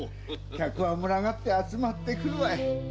客は群がって集まってくるわい。